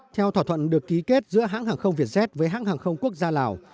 theo thỏa thuận được ký kết giữa hãng hàng không việt jet với hãng hàng không quốc gia lào